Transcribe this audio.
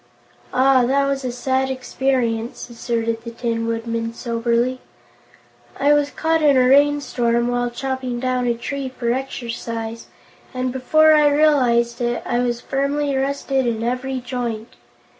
"Ah, that was a sad experience," asserted the Tin Woodman soberly. "I was caught in a rainstorm while chopping down a tree for exercise, and before I realized it, I was firmly rusted in every joint.